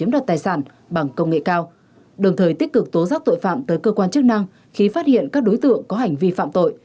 đồng thời tích cực tố giác tội phạm tới cơ quan chức năng khi phát hiện các đối tượng có hành vi phạm tội